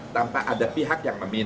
tanpa ada pihak yang meminta